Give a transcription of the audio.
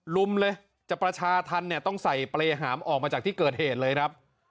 ลุมเลยจะประชาธรรมเนี่ยต้องใส่เปรยหามออกมาจากที่เกิดเหตุเลยครับ